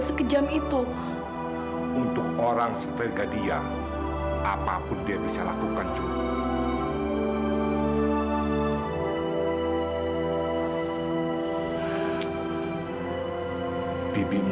sampai jumpa di video selanjutnya